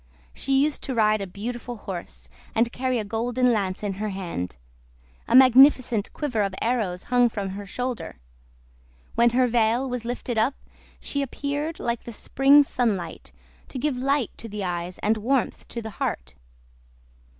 She used to ride a beautiful horse, and carry a golden lance in her hand; a magnificent quiver of arrows hung from her shoulder. When her veil was lifted up she appeared like the spring sunlight, to give light to the eyes and warmth to the heart.